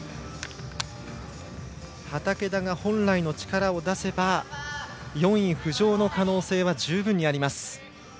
畠田が本来の力を出せば４位浮上の可能性は十分にあります。